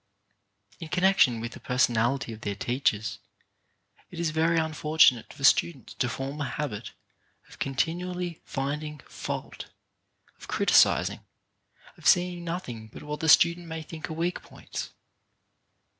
In connection with the personality of their teachers, it is very unfortunate for students to form a habit of continually finding fault, of criti cising, of seeing nothing but what the student may think are weak points.